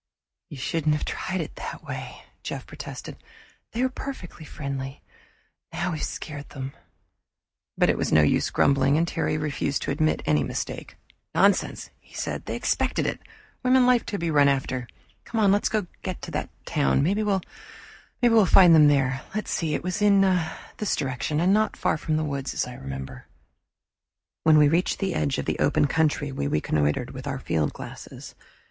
"You shouldn't have tried that way," Jeff protested. "They were perfectly friendly; now we've scared them." But it was no use grumbling, and Terry refused to admit any mistake. "Nonsense," he said. "They expected it. Women like to be run after. Come on, let's get to that town; maybe we'll find them there. Let's see, it was in this direction and not far from the woods, as I remember." When we reached the edge of the open country we reconnoitered with our field glasses.